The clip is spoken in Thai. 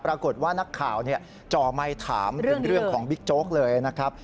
ปรากฏว่านักข่าวจ่อไมค์ถามเป็นเรื่องของบิ๊กโจ๊กเลยนะครับ